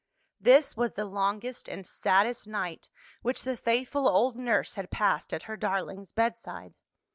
This was the longest and saddest night which the faithful old nurse had passed at her darling's bedside.